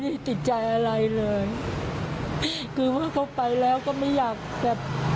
ติดใจอะไรเลยคือว่าเขาไปแล้วก็ไม่อยากแบบ